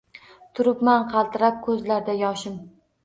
Turibman qaltirab, ko‘zlarda yoshim